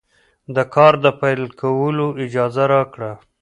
د کار د پیل کولو اجازه راکړه.